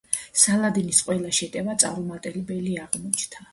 სალადინის ყველა შეტევა წარუმატებელი აღმოჩნდა.